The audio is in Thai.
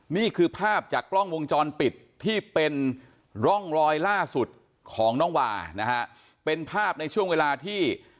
นี่คือภาพจากกล้องวงจรปิดที่เป็นร่องรอยล่าสุดของน้องวานะฮะเป็นภาพในช่วงเวลาที่